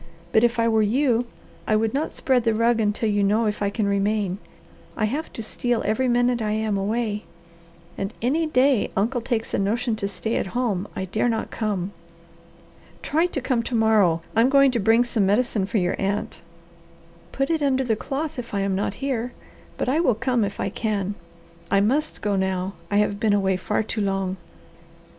But if I were you, I would not spread the rug until you know if I can remain. I have to steal every minute I am away, and any day uncle takes a notion to stay at home I dare not come." "Try to come to morrow. I am going to bring some medicine for your aunt." "Put it under the cloth if I am not here; but I will come if I can. I must go now; I have been away far too long."